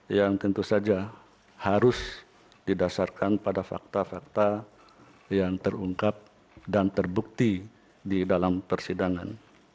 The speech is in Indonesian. yang tentu saja harus didasarkan pada fakta fakta yang terungkap dan terbukti di dalam persidangan